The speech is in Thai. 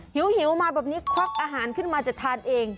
หิวมาแบบนี้ควักอาหารขึ้นมาจะทานเอง